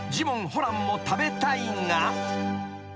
ホランも食べたいが］